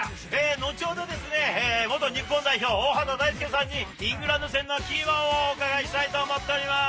後ほど、元日本代表、大畑大介さんにイングランド戦のキーマンをお伺いしたいと思っています。